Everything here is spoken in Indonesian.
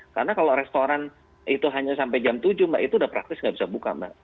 karena kalau restoran itu hanya sampai jam tujuh mbak itu sudah praktis tidak bisa buka mbak